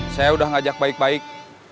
saya udah ngajak baik baik